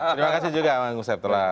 terima kasih juga bang ustaz telah